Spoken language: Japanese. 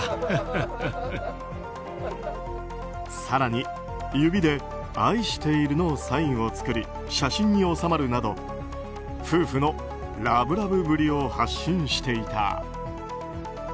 更に、指で愛しているのサインを作り写真に納まるなど夫婦のラブラブぶりを発信していた。